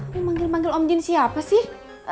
aku manggil manggil om jin siapa sih